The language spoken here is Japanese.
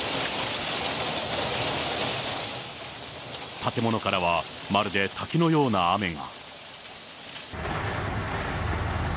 建物からは、まるで滝のような雨が。